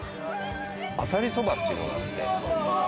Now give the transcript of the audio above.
あさりそばっていうのがあって。